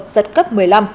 giật cấp một mươi năm